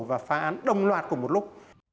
và phá án đồng loạt cùng một lúc